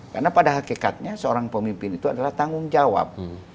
karena pada hakikatnya seorang pemimpin itu adalah tanggung jawab